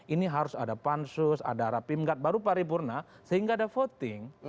ini harus ada pansus ada rapim gat baru paripurna sehingga ada voting